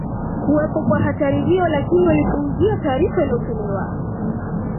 kuwepo kwa hatari hiyo lakini walipuuzia taarifa iliyotolewa